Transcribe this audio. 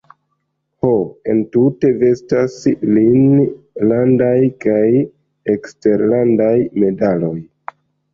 Ho, entute vestas lin landaj kaj eksterlandaj medaloj.